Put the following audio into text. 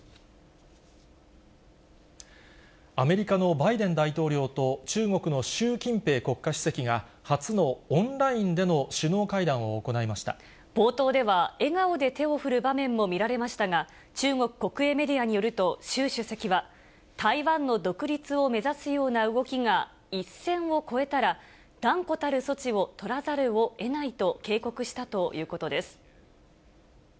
アメリカのバイデン大統領と、中国の習近平国家主席が、初のオンラインでの首脳会談を行いまし冒頭では、笑顔で手を振る場面も見られましたが、中国国営メディアによると、習主席は、台湾の独立を目指すような動きが一線を越えたら断固たる措置を取らざるをえないと警告したということです。